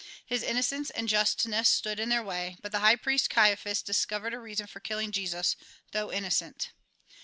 His innocence and justness stood in their way, but the high priest Caiaphas discovered a reason for killing Jesus, though innocent.